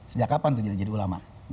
sejak kapan tuh jadi ulama